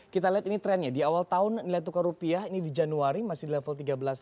kita lihat ini trennya di awal tahun nilai tukar rupiah ini di januari masih di level tiga belas